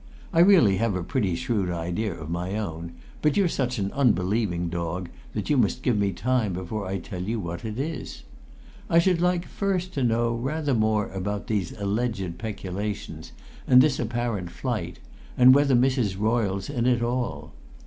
I really have a pretty shrewd idea of my own, but you're such an unbelieving dog that you must give me time before I tell you what it is. I should like first to know rather more about these alleged peculations and this apparent flight, and whether Mrs. Royle's in it all.